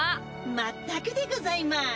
まったくでございます。